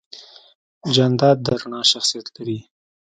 جانداد د رڼا شخصیت لري.